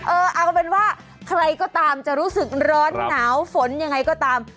เออเอาเป็นว่าใครก็ตามจะรู้สึกร้อนหนาวฝนยังไงก็ตาม